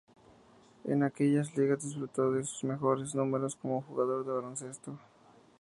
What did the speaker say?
En aquellas ligas disfrutó de sus mejores números como jugador de baloncesto.